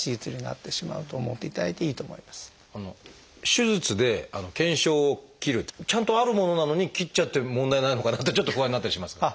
手術で腱鞘を切るちゃんとあるものなのに切っちゃって問題ないのかなってちょっと不安になったりしますが。